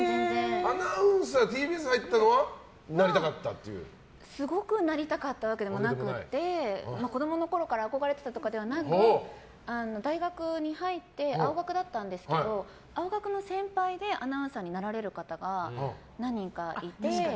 アナウンサーＴＢＳ入ったのはすごくなりたかったわけでもなくて子供のころから憧れてたわけでもなくて大学に入って青学だったんですけど青学の先輩でアナウンサーになられる方が何人かいて。